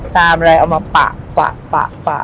ตามอะไรเอามาปะปะปะปะ